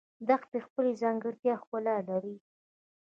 دښتې خپل ځانګړی ښکلا لري